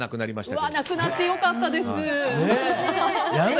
なくなって良かったです！